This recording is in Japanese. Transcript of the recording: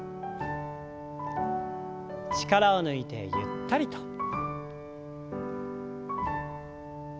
力を抜いてゆったりと。